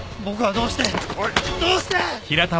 どうして！